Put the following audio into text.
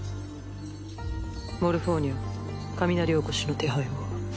モルフォーニャ雷おこしの手配を。